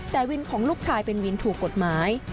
แต่วินของลูกชายเป็นวินถูกกฎหมาย